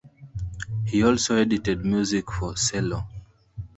He also edited music for cello.